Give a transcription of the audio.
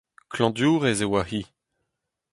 Klañvdiourez e oa-hi.